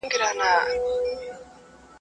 جامه په يوه گوته اوږده په يوه لنډه.